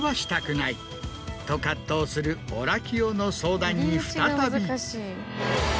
と葛藤するオラキオの相談に再び。